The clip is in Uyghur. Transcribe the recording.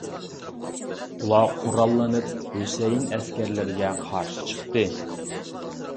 ئۇلار قوراللىنىپ ھۈسەيىن ئەسكەرلىرىگە قارشى چىقتى.